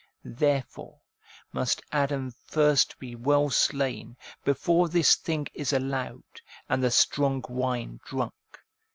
Therefore must Adam first be well slain, before this thing is allowed, and the strong wine drunk.